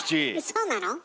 そうなの？